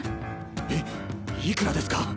いいくらですか？